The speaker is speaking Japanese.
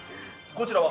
◆こちらは？